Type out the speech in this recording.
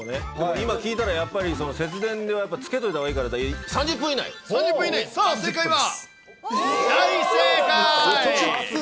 今聞いたら、やっぱり節電でやっぱりつけといたほうがいいからと３０分以内、さあ、正解は。